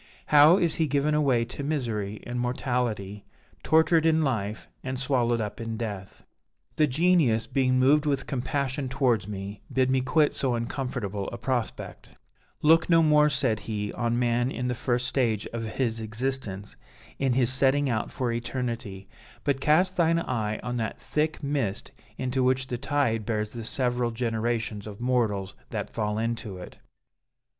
How is he given away to misery and mortality! tortured in life, and swallowed up in death.' "The Genius, being moved with compassion towards me, bid me quit so uncomfortable a prospect: 'Look no more,' said he, 'on man in the first stage of his existence, in his setting out for eternity; but cast thine eye on that thick mist into which the tide bears the several generations of mortals that fall into it.'